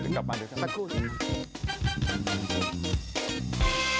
กลับมาเดี๋ยว